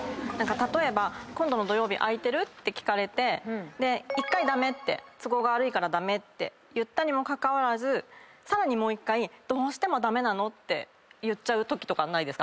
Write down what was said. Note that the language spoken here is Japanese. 例えば今度の土曜日空いてる？って聞かれて１回駄目って都合が悪いから駄目って言ったにもかかわらずさらにもう１回どうしても駄目なの？って言っちゃうときとかないですか？